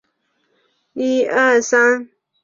经济以轻工业为主。